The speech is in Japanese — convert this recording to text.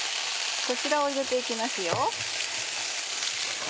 こちらを入れて行きますよ。